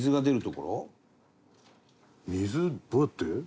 水どうやって？